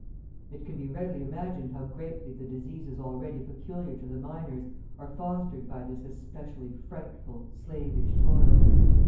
It can be readily imagined how greatly the diseases already peculiar to the miners are fostered by this especially frightful, slavish toil.